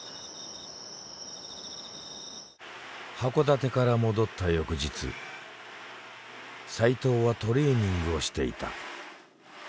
函館から戻った翌日齋藤はトレーニングをしていた。